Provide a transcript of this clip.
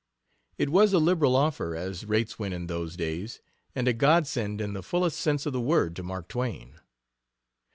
It was a liberal offer, as rates went in those days, and a godsend in the fullest sense of the word to Mark Twain.